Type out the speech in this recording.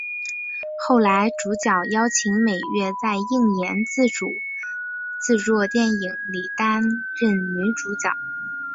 后来主角邀请美月在映研自主制作电影里担任女主角。